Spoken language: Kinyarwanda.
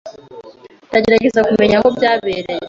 Ndagerageza kumenya aho byabereye.